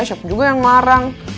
siapa juga yang marang